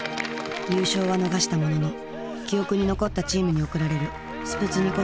優勝は逃したものの記憶に残ったチームに贈られる「スプツニ子！